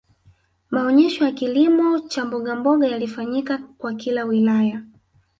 maonesho ya kilimo cha mbogamboga yalifanyika kwa kila wilaya